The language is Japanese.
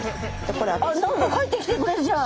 何か書いてきてくれてるじゃん。